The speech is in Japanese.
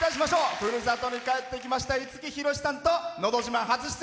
ふるさとに帰ってきました五木ひろしさんと「のど自慢」初出演